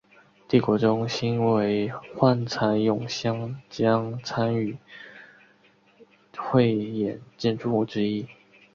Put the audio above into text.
帝国中心为幻彩咏香江参与汇演建筑物之一。